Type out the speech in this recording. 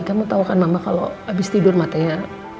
kamu tau kan mama kalo abis tidur matanya